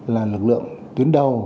là lực lượng tuyến đầu